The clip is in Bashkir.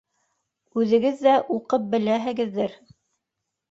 Үҙегеҙ ҙә уҡып беләһегеҙҙер